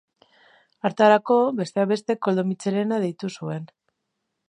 Hartarako, besteak beste Koldo Mitxelena deitu zuen.